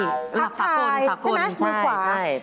หลักสากลสากลใช่ไหมมือขวาใช่